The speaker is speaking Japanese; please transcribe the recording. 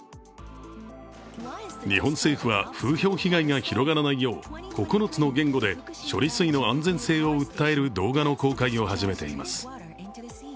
日本政府は、風評被害が広がらないよう９つの言語で処理水の安全性を訴える動画の公開を始めています。